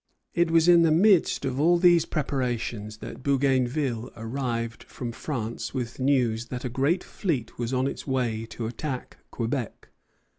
It was in the midst of all these preparations that Bougainville arrived from France with news that a great fleet was on its way to attack Quebec.